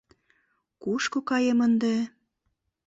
«Кушко каем ынде?